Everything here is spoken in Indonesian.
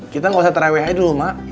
kita nggak usah terawih aja dulu mak